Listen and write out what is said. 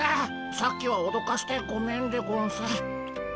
さっきはおどかしてごめんでゴンス。